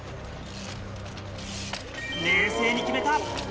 冷静に決めた。